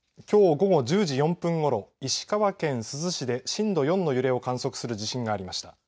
きょう午後１０時４分ごろ石川県珠洲市で震度４の揺れを観測する地震がありました。